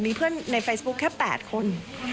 มีเพื่อนในเฟซบุ๊คแค่๘คน